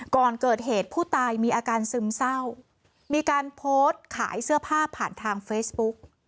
ก่อนเกิดเหตุผู้ตายมีอาการซึมเศร้ามีการโพสต์ขายเสื้อผ้าผ่านทางเฟซบุ๊ก